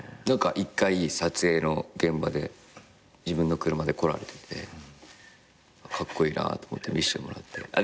何か１回撮影の現場で自分の車で来られててカッコイイなと思って見せてもらって。